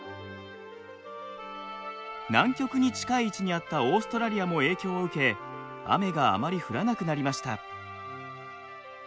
南極に近い位置にあったオーストラリアも影響を受け雨があまり降らなくなりました。